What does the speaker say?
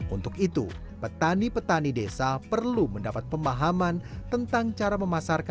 untuk itu petani petani desa perlu mendapat pemahaman dan kemampuan untuk menjaga kemampuan mereka